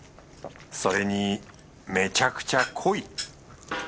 それにめちゃくちゃ濃い。